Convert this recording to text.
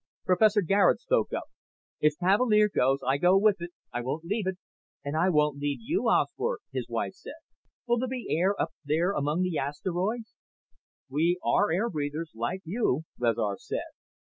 Professor Garet spoke up. "If Cavalier goes, I go with it. I won't leave it." "And I won't leave you, Osbert," his wife said. "Will there be air up there among the asteroids?" "We are air breathers like you," Rezar said.